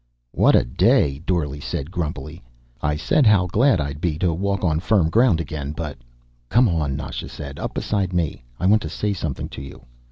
"What a day," Dorle said grumpily. "I said how glad I'd be to walk on firm ground again, but " "Come on," Nasha said. "Up beside me. I want to say something to you.